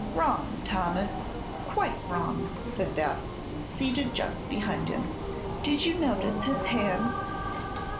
"Wrong, Thomas, quite wrong," said Beth, seated just behind him. "Did you notice his hands?"